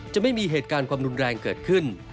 จะไม่มีเหตุการณ์ความรุนแรงเกิดขึ้น